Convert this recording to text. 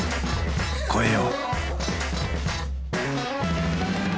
越えよう